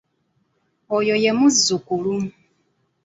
Oyo ye muzzukulu.